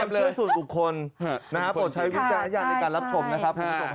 ก็สู้สู่คนนะครับค่ะ